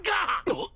あっ。